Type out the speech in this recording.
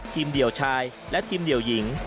เดี่ยวชายและทีมเดี่ยวหญิง